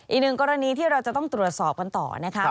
อีกหนึ่งกรณีที่เราจะต้องตรวจสอบกันต่อนะครับ